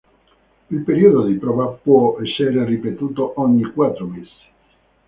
Il periodo di prova può essere ripetuto ogni quattro mesi.